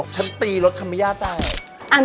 ชั้นตีรถคามิยาตาย